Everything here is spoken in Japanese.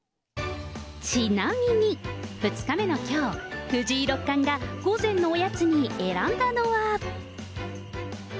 ちなみに、２日目のきょう、藤井六冠が午前のおやつに選んだのは。